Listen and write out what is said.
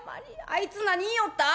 あいつ何言いよった？